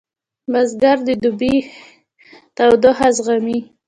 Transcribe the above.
بزګر د دوبي تودوخه زغمي